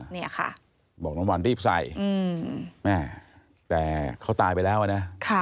บอกน้องน้ำหวานรีบใส่มญะแต่เขาตายไปแล้วนะคะ